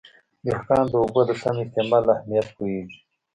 دهقان د اوبو د سم استعمال اهمیت پوهېږي.